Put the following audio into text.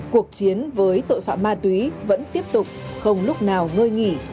cuộc chiến với tội phạm ma túy vẫn tiếp tục không lúc nào ngơi nghỉ